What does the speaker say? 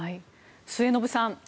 末延さん